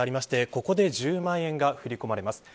ここで１０万円が振り込まれます。